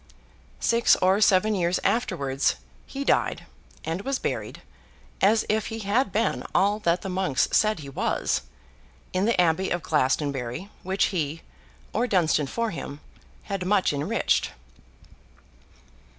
Six or seven years afterwards, he died; and was buried, as if he had been all that the monks said he was, in the abbey of Glastonbury, which he—or Dunstan for him—had much enriched.